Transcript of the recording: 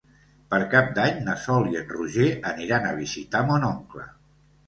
Per Cap d'Any na Sol i en Roger aniran a visitar mon oncle.